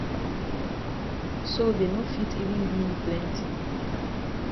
So dey no fit even gi yi plenti.